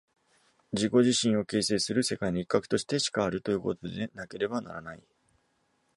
自己自身を形成する世界の一角としてしかあるということでなければならない。